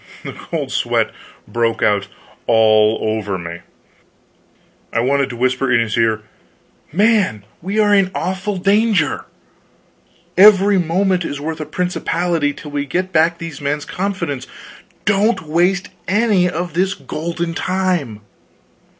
The cold sweat broke out all over me. I wanted to whisper in his ear, "Man, we are in awful danger! every moment is worth a principality till we get back these men's confidence; don't waste any of this golden time."